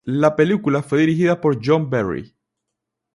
La película fue dirigida por John Berry.